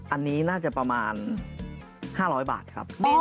อันนี้น่าจะประมาณ๕๐๐บาทครับ